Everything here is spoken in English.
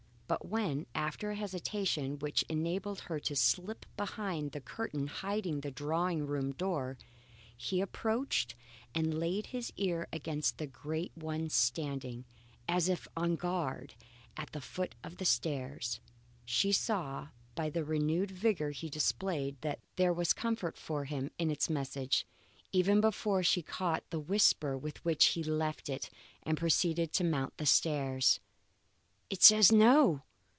But when, after a hesitation which enabled her to slip behind the curtain hiding the drawing room door, he approached and laid his ear against the great one standing, as if on guard, at the foot of the stairs, she saw by the renewed vigour he displayed that there was comfort for him in its message, even before she caught the whisper with which he left it and proceeded to mount the stairs: "It says No!